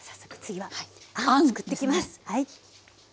はい。